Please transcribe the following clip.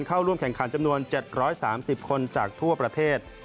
เข้าร่วมแข่งขันจำนวน๗๓๐คนจากทั่วประเทศ